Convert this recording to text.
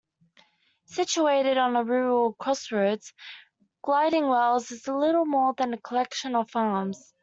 Situated on a rural crossroads, Gildingwells is little more than a collection of farms.